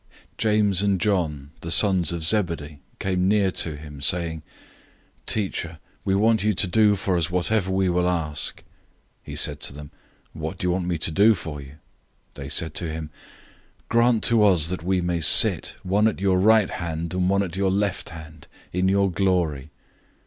010:035 James and John, the sons of Zebedee, came near to him, saying, "Teacher, we want you to do for us whatever we will ask." 010:036 He said to them, "What do you want me to do for you?" 010:037 They said to him, "Grant to us that we may sit, one at your right hand, and one at your left hand, in your glory."